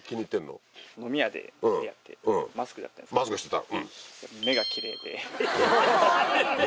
マスクしてたうん。